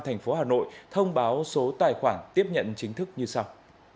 thành phố hà nội thông báo số tài khoản tiếp nhận chính thức như sau